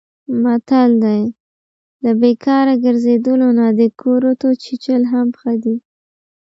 متل دی: له بیکاره ګرځېدلو نه د کورتو چیچل هم ښه دي.